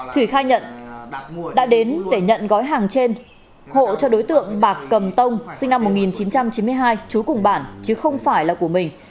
thủy khai nhận đã đến để nhận gói hàng trên hộ cho đối tượng bạc cầm tông sinh năm một nghìn chín trăm chín mươi hai trú cùng bản chứ không phải là của mình